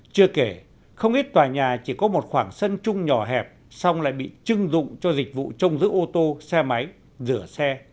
chưa kể không ít tòa nhà chỉ có một khoảng sân chung nhỏ hẹp xong lại bị chưng dụng cho dịch vụ trông giữ ô tô xe máy rửa xe